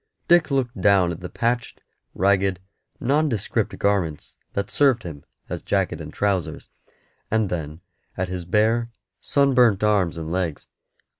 Dick looked down at the patched, ragged, nondescript garments that served him as jacket and trousers, and then at his bare, sunburnt arms and legs.